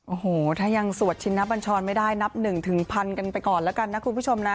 โอ้โหถ้ายังสวดชินนับบัญชรไม่ได้นับ๑พันกันไปก่อนแล้วกันนะคุณผู้ชมนะ